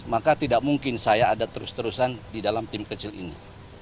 maka tidak mungkin saya ada terus terusan di dalam tim kecil ini